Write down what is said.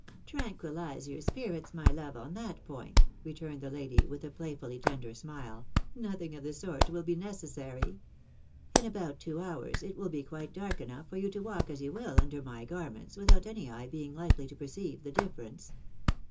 " Tranquillise your spirits, my love, on that point," returned the lady, with a playfully tender smile ;" nothing of the sort will be necessary. In about two hours it will be quite dark enough for you to walk as you will under my garments, without any eye being likely to perceive the difference.